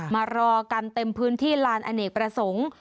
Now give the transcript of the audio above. มารอกันเต็มพื้นที่ลานอเนกประสงค์